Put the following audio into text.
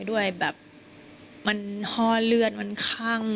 ด้วยแบบมันฮอเลือดมันค่ำ